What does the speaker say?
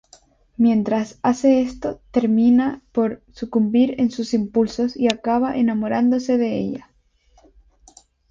Mientras hace esto, termina por sucumbir a sus impulsos y acaba enamorándose de ella.